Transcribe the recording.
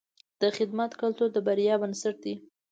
د خدمت کلتور د بریا بنسټ دی.